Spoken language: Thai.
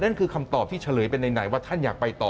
คือคำตอบที่เฉลยไปไหนว่าท่านอยากไปต่อ